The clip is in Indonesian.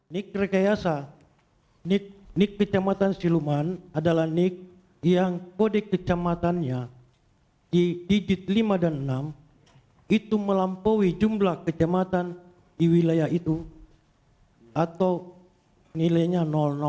nik rekayasa nik nik kecamatan siluman adalah nik yang kode kecamatannya di digit lima dan enam itu melampaui jumlah kejamatan di wilayah itu atau nilainya